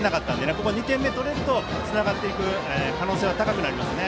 ここで２点目が取れるとつながる可能性は高まりますね。